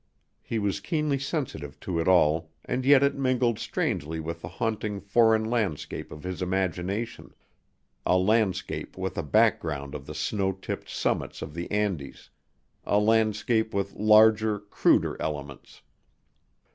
He was keenly sensitive to it all and yet it mingled strangely with the haunting foreign landscape of his imagination a landscape with a background of the snow tipped summits of the Andes, a landscape with larger, cruder elements.